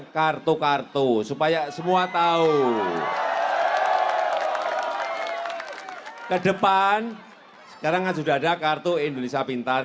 kita harus tahu acungkan jempol